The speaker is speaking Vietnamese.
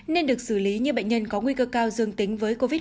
nên được xử lý như bệnh nhân có nguy cơ cao dương tính với covid một mươi chín